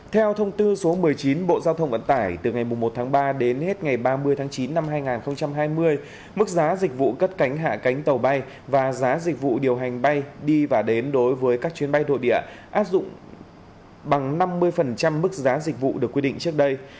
theo thông tư số một mươi chín bộ giao thông vận tải từ ngày một tháng ba đến hết ngày ba mươi tháng chín năm hai nghìn hai mươi mức giá dịch vụ cất cánh hạ cánh tàu bay và giá dịch vụ điều hành bay đi và đến đối với các chuyến bay nội địa áp dụng bằng năm mươi mức giá dịch vụ được quy định trước đây